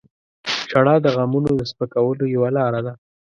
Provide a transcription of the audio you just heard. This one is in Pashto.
• ژړا د غمونو د سپکولو یوه لاره ده.